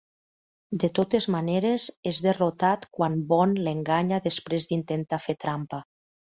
De totes maneres, és derrotat quan Bond l'enganya després d'intentar fer trampa.